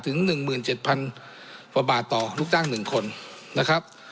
ถึง๑๗๐๐กว่าบาทต่อลูกจ้าง๑คนนะครับ